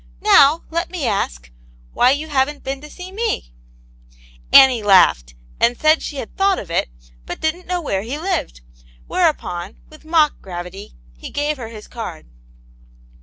Now, let me ask, why you hav*n*t been to see me ?" Annie laughed, and said she had thought of it, but didn't know where he lived ; whereupon, with mock gravity, he gave her his card.